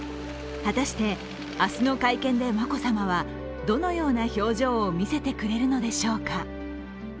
果たして、明日の会見で眞子さまはどのような表情を見せてくれるのでしょうか。